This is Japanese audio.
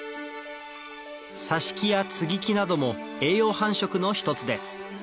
挿し木や接ぎ木なども栄養繁殖の１つです